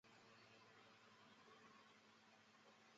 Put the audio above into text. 其书内容透露当时的苏联士兵以自己战友尸体为食的情况。